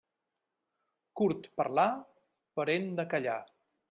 Curt parlar, parent de callar.